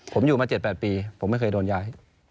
ผมอยู่มา๗๘ปีผมไม่เคยโดนย้าย